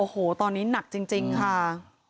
โอ้โหตอนนี้หนักจริงค่ะ